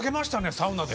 サウナで。